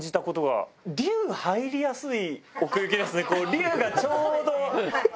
龍がちょうど。